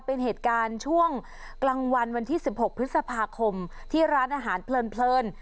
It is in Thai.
เป็นเหตุการณ์ช่วงกลางวันวันที่๑๖พฤษภาคมที่ร้านอาหารเพลิน